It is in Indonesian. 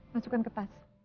masukkan ke tas